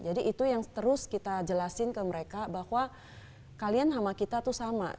itu yang terus kita jelasin ke mereka bahwa kalian sama kita tuh sama